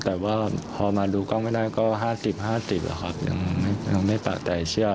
แต่ว่าพอมาดูกล้องไม่ได้ก็๕๐๕๐ยังไม่ปะใจเชื่อ